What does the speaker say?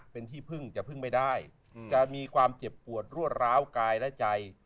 เป็นที่พึ่งจะพึ่งไม่ได้จะมีความเจ็บปวดรั่วร้าวกายและใจ